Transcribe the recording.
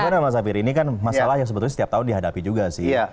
bagaimana mas hafir ini kan masalah yang sebetulnya setiap tahun dihadapi juga sih